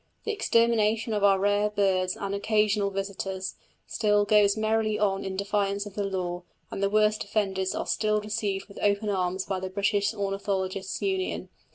The extermination of our rare birds and "occasional visitors" still goes merrily on in defiance of the law, and the worst offenders are still received with open arms by the British Ornithologists' Union.